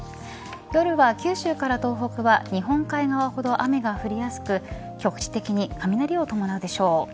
夜は九州から東北は日本海側ほど雨が降りやすく局地的に雷を伴うでしょう。